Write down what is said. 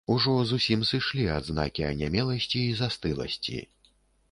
Ужо зусім сышлі адзнакі анямеласці і застыласці.